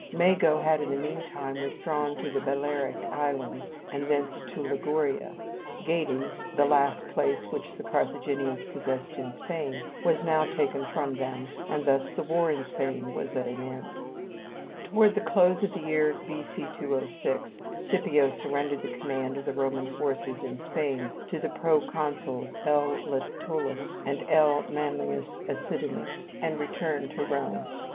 Mago had in the meantime withdrawn to the Balearic Islands, and thence to Liguria. Gades, the last place which the Carthaginians possessed in Spain, was now taken from them, and thus the war in Spain was at an end. [Illustration: Generosity of Scipio.] Toward the close of the year B.C. 206, Scipio surrendered the command of the Roman forces in Spain to the proconsuls L. Lentulus and L. Manlius Acidinus, and returned to Rome.